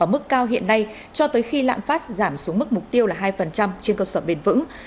ở mức cao hiện nay cho tới khi lạm phát giảm xuống mức mục tiêu là hai trên cơ sở bền vững